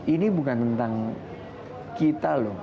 ini bukan tentang kita loh